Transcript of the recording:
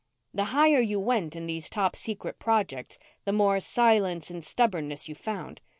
The higher you went in these top secret projects, the more silence and stubbornness you found.